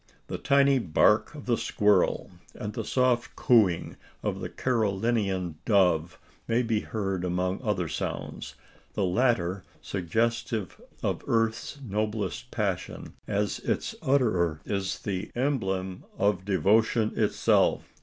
The tiny bark of the squirrel, and the soft cooing of the Carolinian dove, may be heard among other sounds the latter suggestive of earth's noblest passion, as its utterer is the emblem of devotion itself.